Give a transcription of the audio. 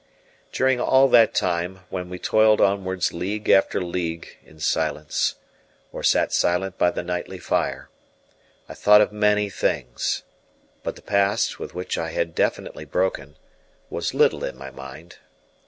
During all that time, when we toiled onwards league after league in silence, or sat silent by the nightly fire, I thought of many things; but the past, with which I had definitely broken, was little in my mind.